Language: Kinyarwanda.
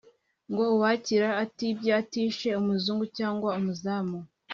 ngo uwakira atibye atishe umuzungu cyangwa umuzamu